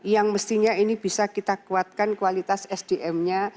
yang mestinya ini bisa kita kuatkan kualitas sdm nya